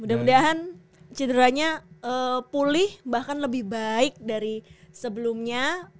mudah mudahan cederanya pulih bahkan lebih baik dari sebelumnya